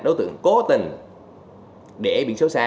đối tượng cố tình để biển xấu xa